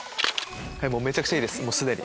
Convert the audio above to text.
もうめちゃくちゃいいですもうすでに。